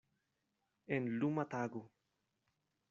En luma tago.